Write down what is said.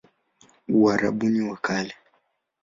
Uarabuni wa Kale